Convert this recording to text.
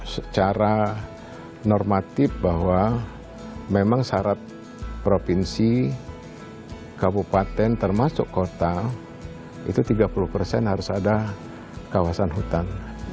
secara normatif bahwa memang syarat provinsi kabupaten termasuk kota itu tiga puluh persen harus ada kawasan hutan